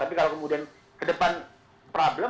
tapi kalau kemudian ke depan problem